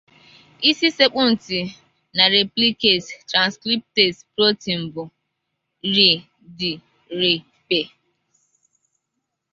Isi sekpụ ntị na replicase-transcriptase protein bụ (RdRp).